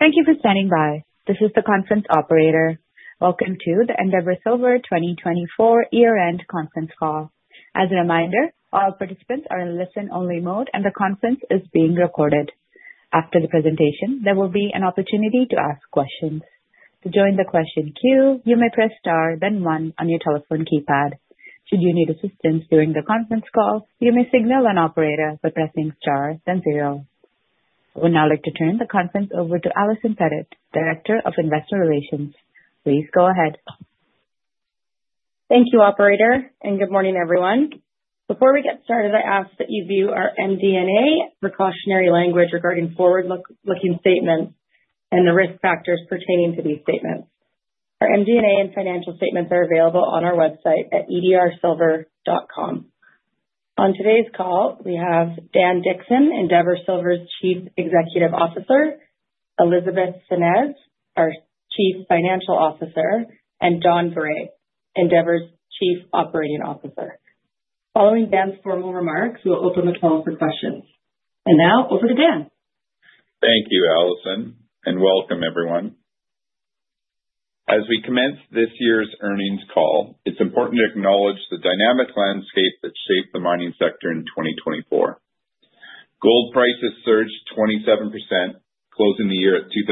Thank you for standing by. This is the conference operator. Welcome to the Endeavour Silver 2024 year-end conference call. As a reminder, all participants are in listen-only mode, and the conference is being recorded. After the presentation, there will be an opportunity to ask questions. To join the question queue, you may press star, then one on your telephone keypad. Should you need assistance during the conference call, you may signal an operator by pressing star, then zero. I would now like to turn the conference over to Allison Pettit, Director of Investor Relations. Please go ahead. Thank you, Operator, and good morning, everyone. Before we get started, I ask that you view our MD&A precautionary language regarding forward-looking statements and the risk factors pertaining to these statements. Our MD&A and financial statements are available on our website at edrsilver.com. On today's call, we have Dan Dickson, Endeavour Silver's Chief Executive Officer, Elizabeth Senez, our Chief Financial Officer, and Don Gray, Endeavour's Chief Operating Officer. Following Dan's formal remarks, we'll open the call for questions. Now, over to Dan. Thank you, Allison, and welcome, everyone. As we commence this year's earnings call, it's important to acknowledge the dynamic landscape that shaped the mining sector in 2024. Gold prices surged 27%, closing the year at $2,624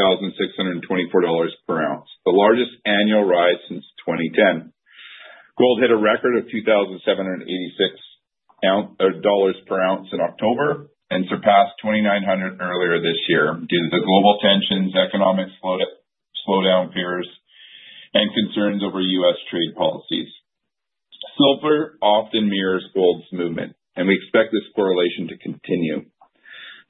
per ounce, the largest annual rise since 2010. Gold hit a record of $2,786 per ounce in October and surpassed $2,900 earlier this year due to the global tensions, economic slowdown fears, and concerns over U.S. trade policies. Silver often mirrors gold's movement, and we expect this correlation to continue.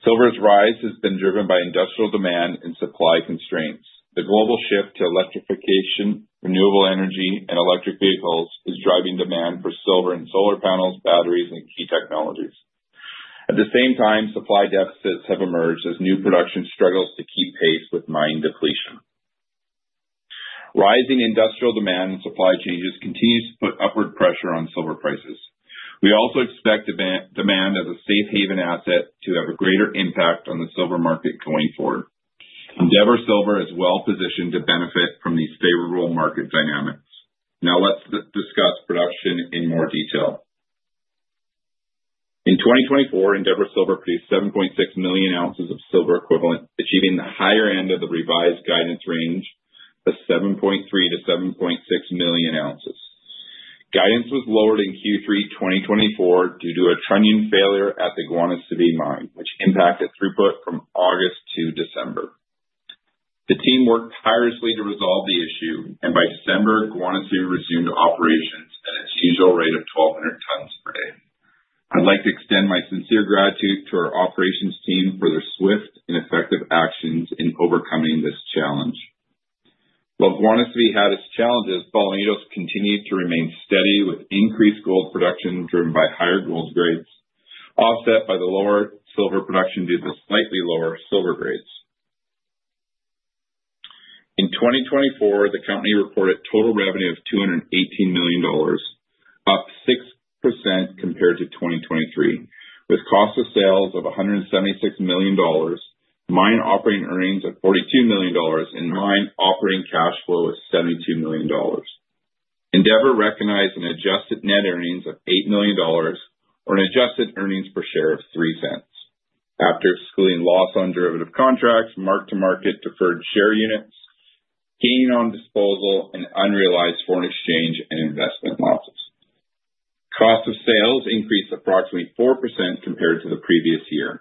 Silver's rise has been driven by industrial demand and supply constraints. The global shift to electrification, renewable energy, and electric vehicles is driving demand for silver and solar panels, batteries, and key technologies. At the same time, supply deficits have emerged as new production struggles to keep pace with mine depletion. Rising industrial demand and supply changes continue to put upward pressure on silver prices. We also expect demand as a safe haven asset to have a greater impact on the silver market going forward. Endeavour Silver is well-positioned to benefit from these favorable market dynamics. Now, let's discuss production in more detail. In 2024, Endeavour Silver produced 7.6 million ounces of silver equivalent, achieving the higher end of the revised guidance range of 7.3-7.6 million ounces. Guidance was lowered in Q3 2024 due to a trunnion failure at the Guanaceví mine, which impacted throughput from August to December. The team worked tirelessly to resolve the issue, and by December, Guanaceví resumed operations at its usual rate of 1,200 tons per day. I'd like to extend my sincere gratitude to our operations team for their swift and effective actions in overcoming this challenge. While Guanaceví had its challenges, Bolañitos has continued to remain steady with increased gold production driven by higher gold grades, offset by the lower silver production due to slightly lower silver grades. In 2024, the company reported total revenue of $218 million, up 6% compared to 2023, with cost of sales of $176 million, mine operating earnings of $42 million, and mine operating cash flow of $72 million. Endeavour recognized an adjusted net earnings of $8 million, or an adjusted earnings per share of $0.03, after excluding loss on derivative contracts, mark-to-market deferred share units, gain on disposal, and unrealized foreign exchange and investment losses. Cost of sales increased approximately 4% compared to the previous year.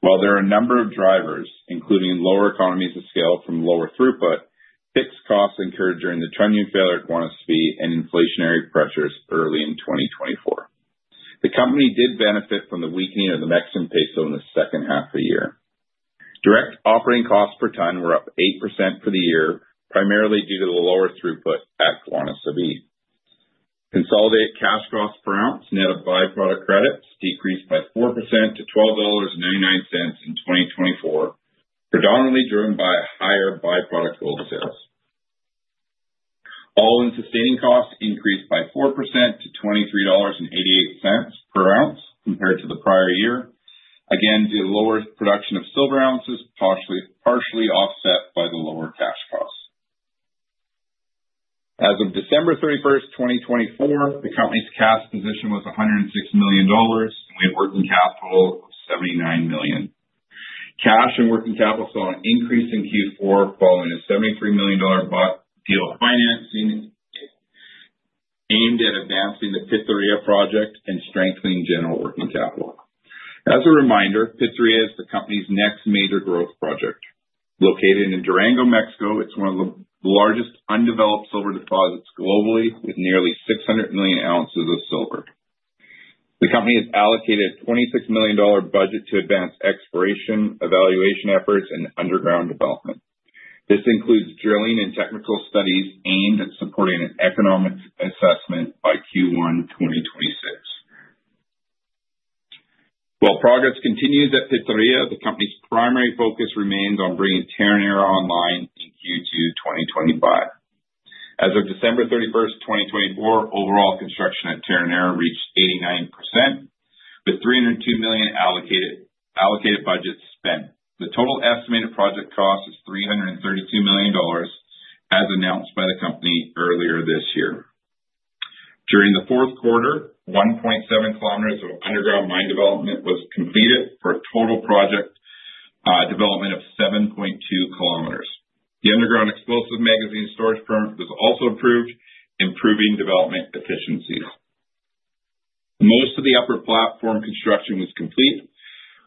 While there are a number of drivers, including lower economies of scale from lower throughput, fixed costs incurred during the trunnion failure at Guanaceví and inflationary pressures early in 2024. The company did benefit from the weakening of the Mexican peso in the second half of the year. Direct operating costs per ton were up 8% for the year, primarily due to the lower throughput at Guanaceví. Consolidated cash costs per ounce net of byproduct credits decreased by 4% to $12.99 in 2024, predominantly driven by higher byproduct gold sales. All-in sustaining costs increased by 4% to $23.88 per ounce compared to the prior year, again due to lower production of silver ounces, partially offset by the lower cash costs. As of December 31, 2024, the company's cash position was $106 million, and we had working capital of $79 million. Cash and working capital saw an increase in Q4 following a $73 million bought deal of financing aimed at advancing the Pitarrilla project and strengthening general working capital. As a reminder, Pitarrilla is the company's next major growth project. Located in Durango, Mexico, it is one of the largest undeveloped silver deposits globally, with nearly 600 million ounces of silver. The company has allocated a $26 million budget to advance exploration, evaluation efforts, and underground development. This includes drilling and technical studies aimed at supporting an economic assessment by Q1 2026. While progress continues at Pitarrilla, the company's primary focus remains on bringing Terronera online in Q2 2025. As of December 31, 2024, overall construction at Terronera reached 89%, with $302 million allocated budget spent. The total estimated project cost is $332 million, as announced by the company earlier this year. During the fourth quarter, 1.7 kilometers of underground mine development was completed for a total project development of 7.2 kilometers. The underground explosive magazine storage permit was also approved, improving development efficiencies. Most of the upper platform construction was complete,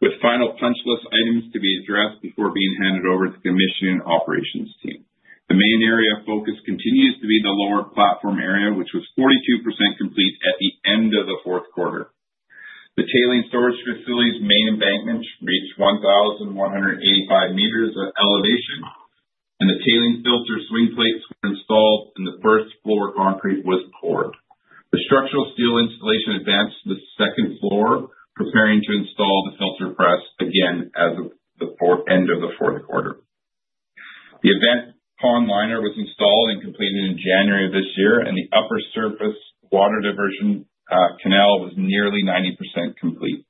with final punch list items to be addressed before being handed over to the commissioning operations team. The main area of focus continues to be the lower platform area, which was 42% complete at the end of the fourth quarter. The tailing storage facility's main embankments reached 1,185 meters of elevation, and the tailing filter swing plates were installed when the first floor concrete was poured. The structural steel installation advanced to the second floor, preparing to install the filter press again at the end of the fourth quarter. The event pond liner was installed and completed in January of this year, and the upper surface water diversion canal was nearly 90% complete.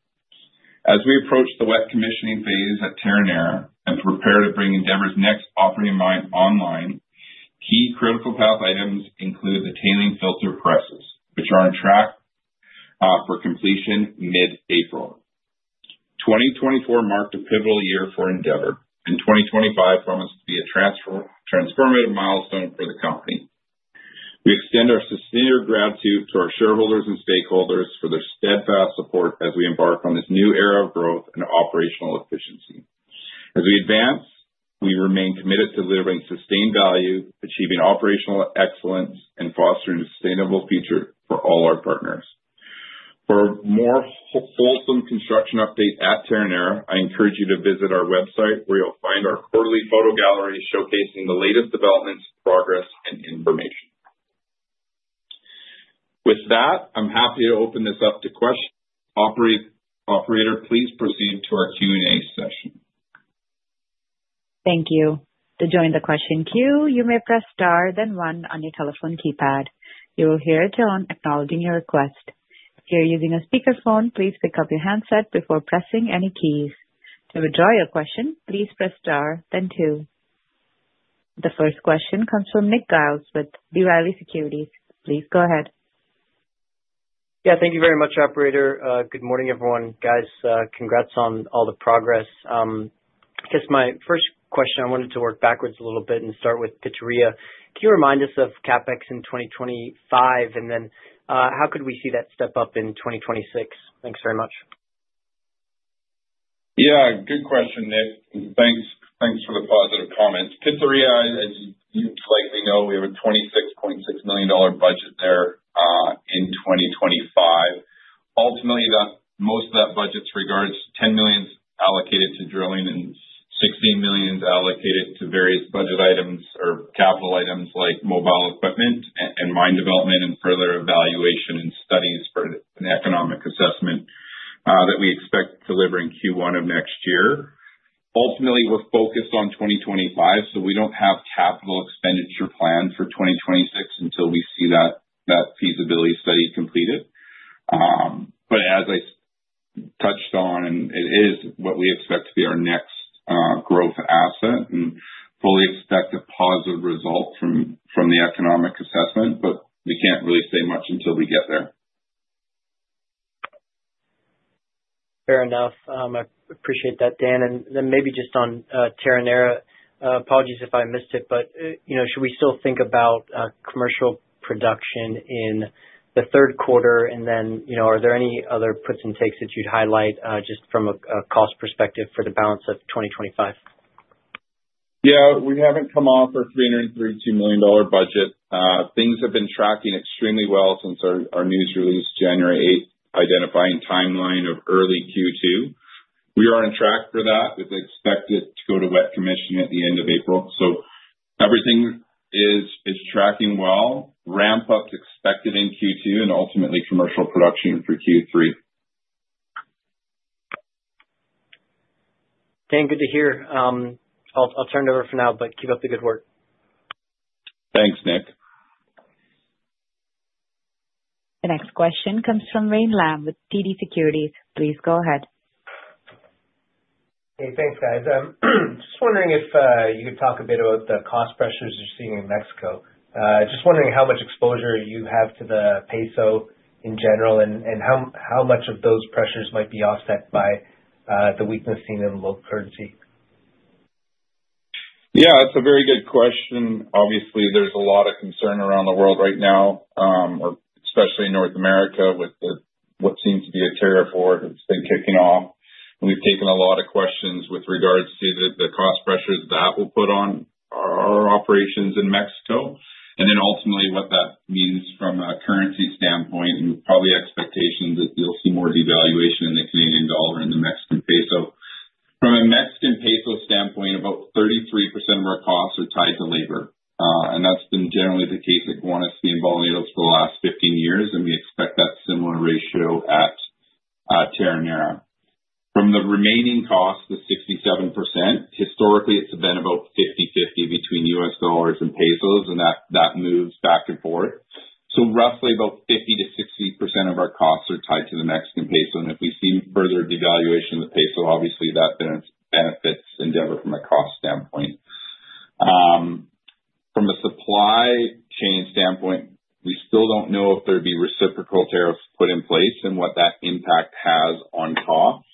As we approach the wet commissioning phase at Terronera and prepare to bring Endeavour's next operating mine online, key critical path items include the tailing filter presses, which are on track for completion mid-April. 2024 marked a pivotal year for Endeavour, and 2025 promised to be a transformative milestone for the company. We extend our sincere gratitude to our shareholders and stakeholders for their steadfast support as we embark on this new era of growth and operational efficiency. As we advance, we remain committed to delivering sustained value, achieving operational excellence, and fostering a sustainable future for all our partners. For a more wholesome construction update at Terronera, I encourage you to visit our website, where you'll find our quarterly photo gallery showcasing the latest developments, progress, and information. With that, I'm happy to open this up to questions. Operator, please proceed to our Q&A session. Thank you. To join the question queue, you may press star, then one on your telephone keypad. You will hear a tone acknowledging your request. If you're using a speakerphone, please pick up your handset before pressing any keys. To withdraw your question, please press star, then two. The first question comes from Nick Giles with B. Riley Securities. Please go ahead. Yeah, thank you very much, Operator. Good morning, everyone. Guys, congrats on all the progress. I guess my first question, I wanted to work backwards a little bit and start with Pitarrilla. Can you remind us of CapEx in 2025, and then how could we see that step up in 2026? Thanks very much. Yeah, good question, Nick. Thanks for the positive comments. Pitarrilla, as you likely know, we have a $26.6 million budget there in 2025. Ultimately, most of that budget's regards to $10 million allocated to drilling and $16 million allocated to various budget items or capital items like mobile equipment and mine development and further evaluation and studies for an economic assessment that we expect to deliver in Q1 of next year. Ultimately, we're focused on 2025, so we don't have capital expenditure planned for 2026 until we see that feasibility study completed. As I touched on, it is what we expect to be our next growth asset and fully expect a positive result from the economic assessment, but we can't really say much until we get there. Fair enough. I appreciate that, Dan. Maybe just on Terronera, apologies if I missed it, but should we still think about commercial production in the third quarter? Are there any other puts and takes that you'd highlight just from a cost perspective for the balance of 2025? Yeah, we have not come off our $332 million budget. Things have been tracking extremely well since our news released January 8, identifying a timeline of early Q2. We are on track for that with expected to go to wet commission at the end of April. Everything is tracking well. Ramp-up is expected in Q2 and ultimately commercial production for Q3. Dan, good to hear. I'll turn it over for now, but keep up the good work. Thanks, Nick. The next question comes from Wayne Lam with TD Securities. Please go ahead. Hey, thanks, guys. Just wondering if you could talk a bit about the cost pressures you're seeing in Mexico. Just wondering how much exposure you have to the peso in general and how much of those pressures might be offset by the weakness seen in the local currency. Yeah, that's a very good question. Obviously, there's a lot of concern around the world right now, especially in North America with what seems to be a tariff war that's been kicking off. We've taken a lot of questions with regards to the cost pressures that will put on our operations in Mexico and then ultimately what that means from a currency standpoint and probably expectations that you'll see more devaluation in the Canadian dollar and the Mexican peso. From a Mexican peso standpoint, about 33% of our costs are tied to labor, and that's been generally the case at Guanaceví and Bolañitos for the last 15 years, and we expect that similar ratio at Terronera. From the remaining costs, the 67%, historically, it's been about 50/50 between U.S. dollars and pesos, and that moves back and forth. Roughly about 50-60% of our costs are tied to the Mexican peso, and if we see further devaluation of the peso, obviously that benefits Endeavour from a cost standpoint. From a supply chain standpoint, we still do not know if there would be reciprocal tariffs put in place and what that impact has on costs.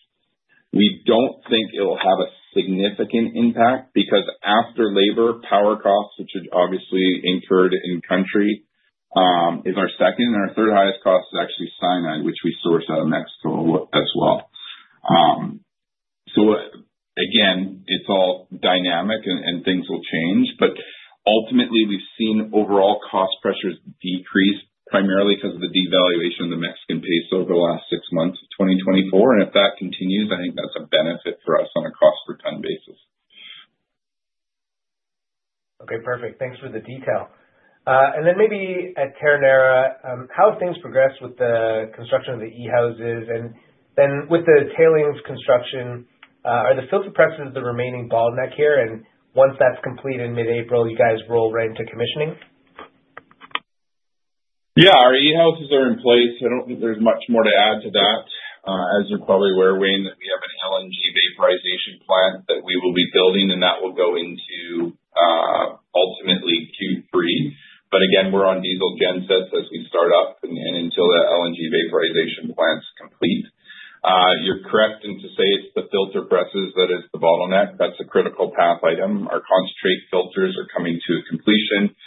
We do not think it will have a significant impact because after labor, power costs, which have obviously incurred in-country, is our second, and our third highest cost is actually cyanide, which we source out of Mexico as well. Again, it is all dynamic and things will change, but ultimately, we have seen overall cost pressures decrease primarily because of the devaluation of the Mexican peso over the last six months of 2024, and if that continues, I think that is a benefit for us on a cost-per-ton basis. Okay, perfect. Thanks for the detail. Maybe at Terronera, how have things progressed with the construction of the e-houses and then with the tailings construction? Are the filter presses the remaining bottleneck here, and once that's complete in mid-April, you guys roll right into commissioning? Yeah, our e-houses are in place. I do not think there is much more to add to that. As you are probably aware, Wayne, that we have an LNG vaporization plant that we will be building, and that will go into ultimately Q3. We are on diesel gensets as we start up and until that LNG vaporization plant is complete. You are correct in to say it is the filter presses that is the bottleneck. That is a critical path item. Our concentrate filters are coming to completion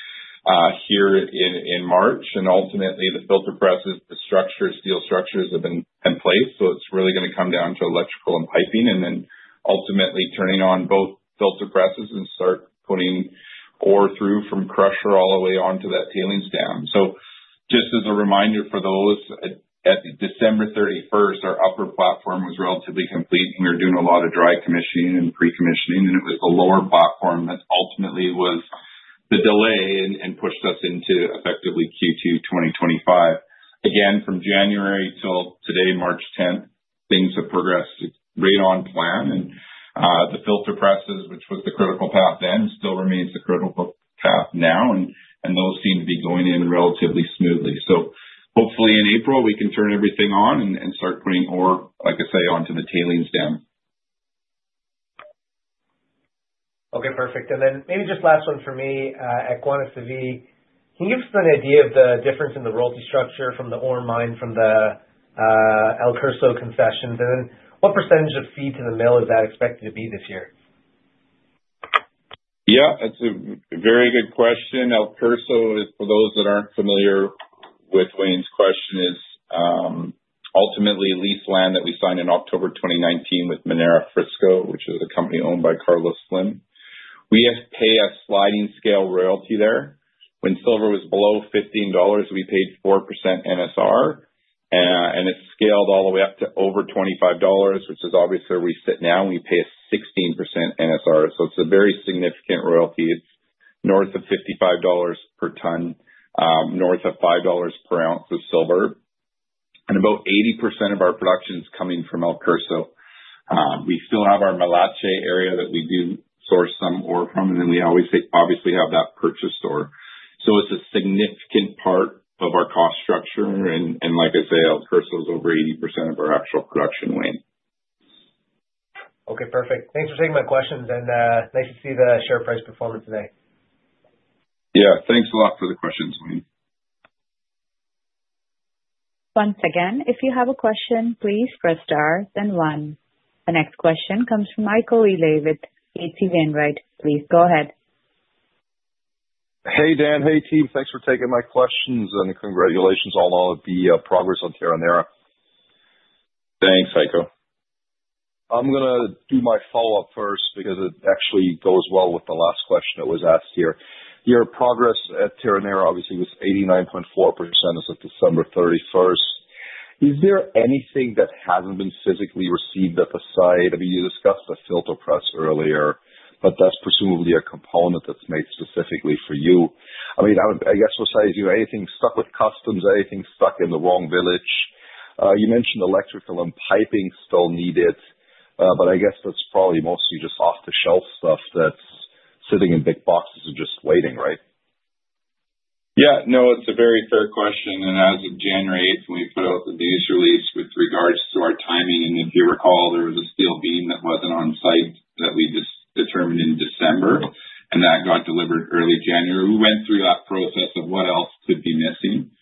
here in March, and ultimately, the filter presses, the steel structures have been in place, so it is really going to come down to electrical and piping and then ultimately turning on both filter presses and start putting ore through from crusher all the way onto that tailings stack. Just as a reminder for those, at December 31, our upper platform was relatively complete, and we were doing a lot of dry commissioning and pre-commissioning, and it was the lower platform that ultimately was the delay and pushed us into effectively Q2 2025. Again, from January till today, March 10, things have progressed right on plan, and the filter presses, which was the critical path then, still remains the critical path now, and those seem to be going in relatively smoothly. Hopefully in April, we can turn everything on and start putting ore, like I say, onto the tailings stack. Okay, perfect. Maybe just last one for me at Guanaceví. Can you give us an idea of the difference in the royalty structure from the Porvenir mine from the El Curso concessions? What percentage of feed to the mill is that expected to be this year? Yeah, that's a very good question. El Curso, for those that aren't familiar with Wayne's question, is ultimately leased land that we signed in October 2019 with Minera Frisco, which is a company owned by Carlos Slim. We pay a sliding scale royalty there. When silver was below $15, we paid 4% NSR, and it scaled all the way up to over $25, which is obviously where we sit now, and we pay a 16% NSR. It is a very significant royalty. It is north of $55 per ton, north of $5 per ounce of silver, and about 80% of our production is coming from El Curso. We still have our Milache area that we do source some ore from, and then we obviously have that purchased ore. It is a significant part of our cost structure, and like I say, El Curso is over 80% of our actual production weighing. Okay, perfect. Thanks for taking my questions, and nice to see the share price performance today. Yeah, thanks a lot for the questions, Wayne. Once again, if you have a question, please press star, then one. The next question comes from Michael Eley with J.C. Vineyard. Hey, Dan. Hey, team. Thanks for taking my questions, and congratulations on all of the progress on Terronera. Thanks, Heiko. I'm going to do my follow-up first because it actually goes well with the last question that was asked here. Your progress at Terronera obviously was 89.4% as of December 31. Is there anything that hasn't been physically received at the site? I mean, you discussed the filter press earlier, but that's presumably a component that's made specifically for you. I mean, I guess I'll say, is there anything stuck with customs? Anything stuck in the wrong village? You mentioned electrical and piping still needed, but I guess that's probably mostly just off-the-shelf stuff that's sitting in big boxes and just waiting, right? Yeah, no, it's a very fair question. As of January 8, we put out the news release with regards to our timing, and if you recall, there was a steel beam that was not on site that we just determined in December, and that got delivered early January. We went through that process of what else could be missing.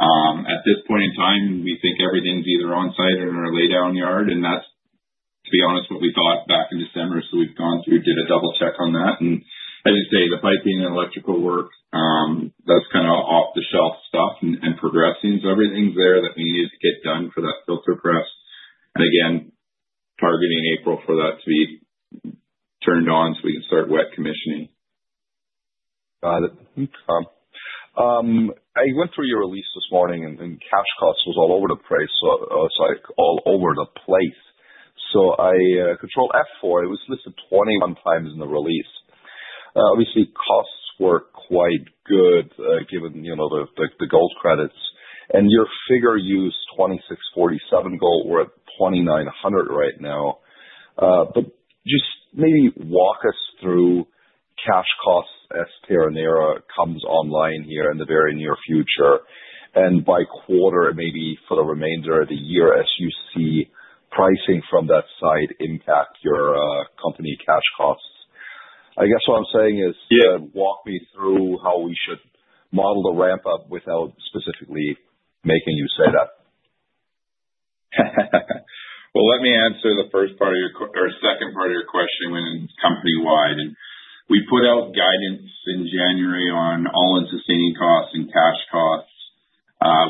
At this point in time, we think everything is either on site or in our lay-down yard, and that is, to be honest, what we thought back in December. We have gone through, did a double-check on that, and as you say, the piping and electrical work, that is kind of off-the-shelf stuff and progressing. Everything is there that we needed to get done for that filter press. Again, targeting April for that to be turned on so we can start wet commissioning. Got it. I went through your release this morning, and cash cost was all over the place, so it's like all over the place. I control F4, it was listed 20. One times in the release. Obviously, costs were quite good given the gold credits, and your figure used $2,647 gold, we're at $2,900 right now. Just maybe walk us through cash costs as Terronera comes online here in the very near future, and by quarter, maybe for the remainder of the year, as you see pricing from that side impact your company cash costs. I guess what I'm saying is walk me through how we should model the ramp-up without specifically making you say that. Let me answer the first part of your or second part of your question when it's company-wide. We put out guidance in January on all-in sustaining costs and cash costs.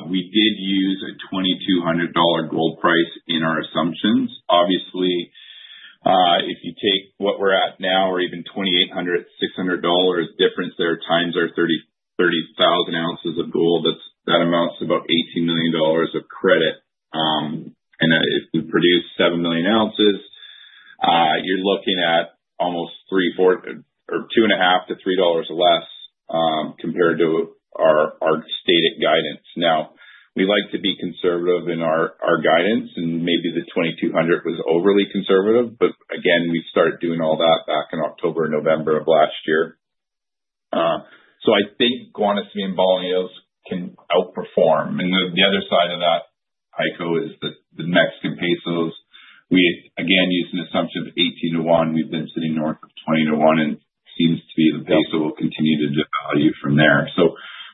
We did use a $2,200 gold price in our assumptions. Obviously, if you take what we're at now or even $2,800, $600 difference there times our 30,000 ounces of gold, that amounts to about $18 million of credit. And if we produce 7 million ounces, you're looking at almost or two and a half to $3 less compared to our stated guidance. We like to be conservative in our guidance, and maybe the $2,200 was overly conservative, but again, we started doing all that back in October and November of last year. I think Guanaceví and Bolañitos can outperform. The other side of that, Heiko, is the Mexican pesos. We again used an assumption of 18 to 1. We've been sitting north of 20 to 1, and it seems to be the peso will continue to devalue from there.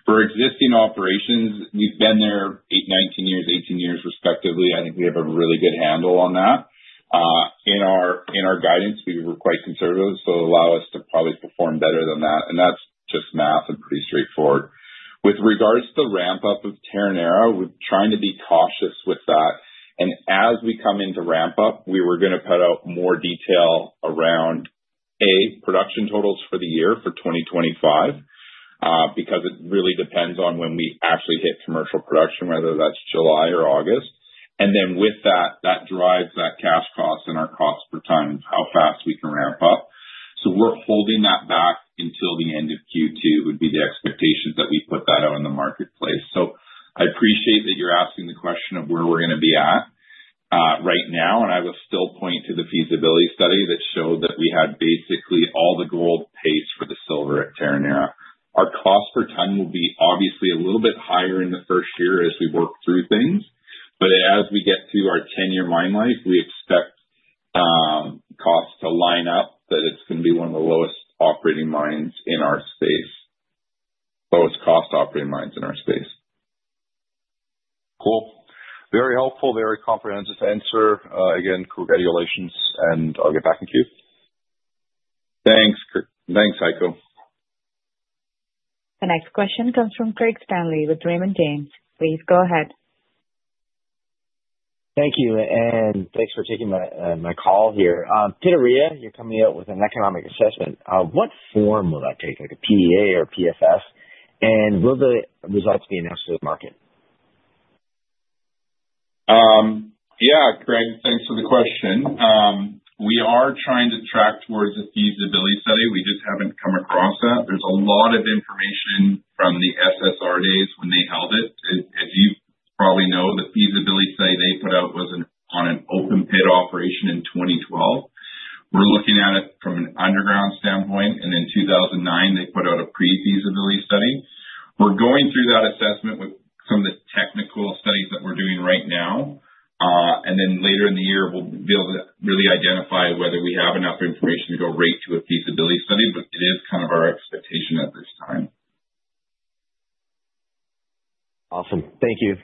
For existing operations, we've been there 18 years, 18 years respectively. I think we have a really good handle on that. In our guidance, we were quite conservative, so it allowed us to probably perform better than that, and that's just math and pretty straightforward. With regards to the ramp-up of Terronera, we're trying to be cautious with that. As we come into ramp-up, we were going to put out more detail around A, production totals for the year for 2025 because it really depends on when we actually hit commercial production, whether that's July or August. With that, that drives that cash cost and our cost per ton, how fast we can ramp up. We're holding that back until the end of Q2 would be the expectations that we put that out in the marketplace. I appreciate that you're asking the question of where we're going to be at right now, and I will still point to the feasibility study that showed that we had basically all the gold pays for the silver at Terronera. Our cost per ton will be obviously a little bit higher in the first year as we work through things, but as we get through our 10-year mine life, we expect costs to line up that it's going to be one of the lowest cost operating mines in our space. Cool. Very helpful, very comprehensive answer. Again, congratulations, and I'll get back to you. Thanks. Thanks, Heiko. The next question comes from Craig Stanley with Raymond James. Please go ahead. Thank you, and thanks for taking my call here. Pitarrilla, you're coming out with an economic assessment. What form will that take, like a PEAs or PFS, and will the results be announced to the market? Yeah, Craig, thanks for the question. We are trying to track towards a feasibility study. We just haven't come across that. There's a lot of information from the SSR days when they held it. As you probably know, the feasibility study they put out was on an open pit operation in 2012. We're looking at it from an underground standpoint, and in 2009, they put out a pre-feasibility study. We're going through that assessment with some of the technical studies that we're doing right now, and later in the year, we'll be able to really identify whether we have enough information to go right to a feasibility study, but it is kind of our expectation at this time. Awesome. Thank you.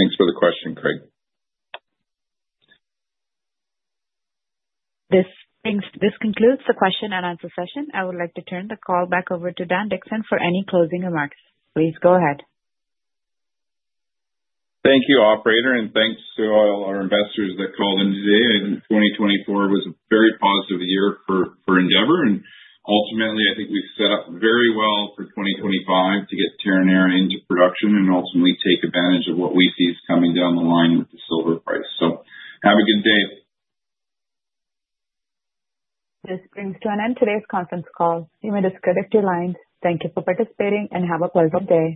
Thanks for the question, Craig. This concludes the question and answer session. I would like to turn the call back over to Dan Dickson for any closing remarks. Please go ahead. Thank you, operator, and thanks to all our investors that called in today. 2024 was a very positive year for Endeavour, and ultimately, I think we've set up very well for 2025 to get Terronera into production and ultimately take advantage of what we see is coming down the line with the silver price. Have a good day. This brings to an end today's conference call. You may disconnect your lines. Thank you for participating, and have a pleasant day.